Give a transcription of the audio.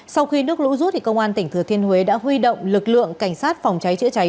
sau khi nước lũ rút công an tỉnh thừa thiên huế đã huy động lực lượng cảnh sát phòng cháy chữa cháy